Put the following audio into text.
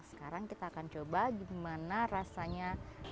sekarang kita akan coba gimana rasanya